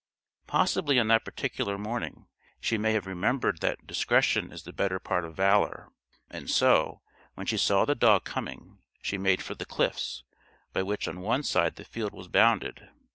Possibly on that particular morning she may have remembered that "discretion is the better part of valour;" and so, when she saw the dog coming, she made for the cliffs, by which on one side the field was bounded.